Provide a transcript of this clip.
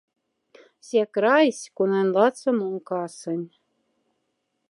Ся крайсь, конань лаца мон касонь.